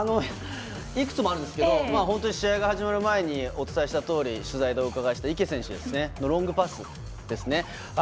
いくつもあるんですが試合が始まる前にお伝えしたとおり取材でお伺いした池選手のロングパスですね。